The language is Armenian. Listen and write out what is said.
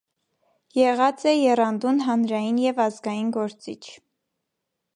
Եղած է եռանդուն հանրային եւ ազգային գործիչ։